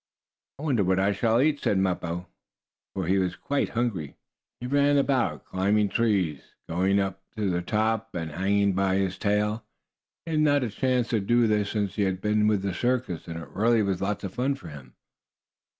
"I wonder what I shall eat," said Mappo, for he was quite hungry. He ran about, climbing trees, going away up to the top, and hanging down by his tail. He had not had a chance to do this since he had been with the circus, and, really, it was lots of fun for him.